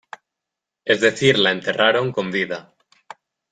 Es decir la enterraron con vida.